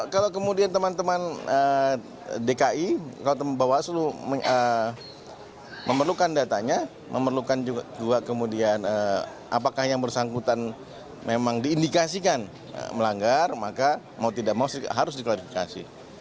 kalau kemudian teman teman dki kalau teman bawaslu memerlukan datanya memerlukan juga kemudian apakah yang bersangkutan memang diindikasikan melanggar maka mau tidak mau harus diklarifikasi